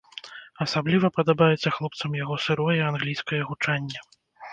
Асабліва падабаецца хлопцам яго сырое англійскае гучанне.